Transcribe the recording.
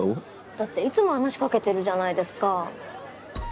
だっていつも話しかけてるじゃないですか。